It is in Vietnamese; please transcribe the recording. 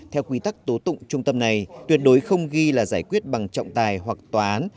theo quy tắc tố tụng trung tâm này tuyệt đối không ghi là giải quyết bằng trọng tài hoặc tòa án